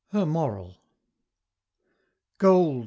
HER MORAL. Gold!